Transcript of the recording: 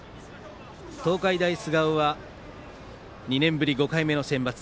東海大菅生は２年ぶり５回目のセンバツ。